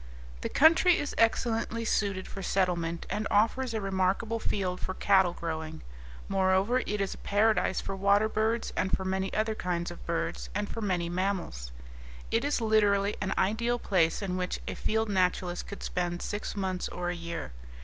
The country is excellently suited for settlement, and offers a remarkable field for cattle growing. Moreover, it is a paradise for water birds and for many other kinds of birds, and for many mammals. It is literally an ideal place in which a field naturalist could spend six months or a year.